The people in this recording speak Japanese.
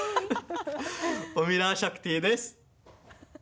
オミラ・シャクティです。